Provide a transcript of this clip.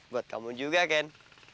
buat kamu juga ken